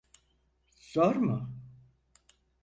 Zor mu?